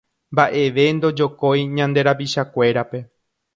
Mbaʼeve ndojokói ñande rapichakuérape.